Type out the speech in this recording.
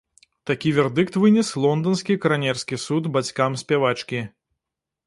Такі вердыкт вынес лонданскі каранерскі суд бацькам спявачкі.